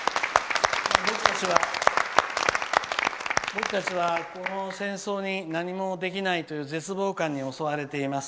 僕たちはこの戦争に何もできないという絶望感に襲われています。